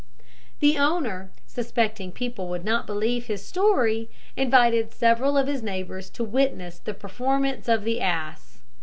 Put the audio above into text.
The owner, suspecting that people would not believe his story, invited several of his neighbours to witness the performance of the ass.